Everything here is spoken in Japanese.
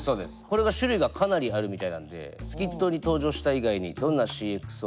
これが種類がかなりあるみたいなんでスキットに登場した以外にどんなＣｘＯがあるのか調べました。